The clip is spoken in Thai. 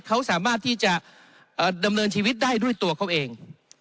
เขาสามารถที่จะดำเนินชีวิตได้ด้วยตัวเขาเอง